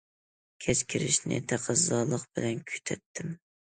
كەچ كىرىشنى تەقەززالىق بىلەن كۈتەتتىم.